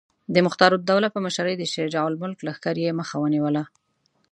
د مختارالدوله په مشرۍ د شجاع الملک لښکر یې مخه ونیوله.